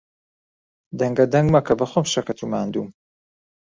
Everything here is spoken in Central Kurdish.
دەنگەدەنگ مەکە، بەخۆم شەکەت و ماندووم.